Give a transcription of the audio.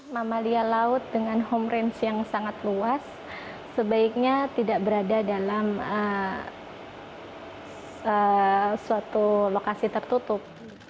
mamalia laut dengan homerange yang sangat luas sebaiknya tidak berada dalam suatu lokasi tertutup